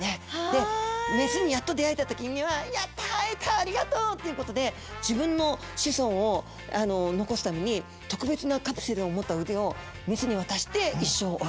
でメスにやっと出会えたときには「やった！会えた！ありがとう」っていうことで自分の子孫を残すために特別なカプセルを持った腕をメスに渡して一生を終えるという。